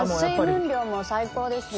水分量も最高ですね。